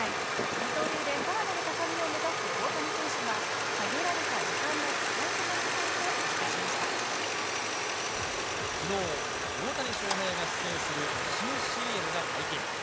二刀流でさらなる高みを目指す大谷選手が、限られた時間の使い方きのう、大谷翔平が出演する新ＣＭが解禁。